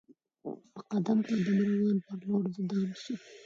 په قدم قدم روان پر لور د دام سو